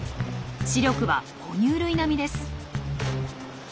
視力は哺乳類並みです。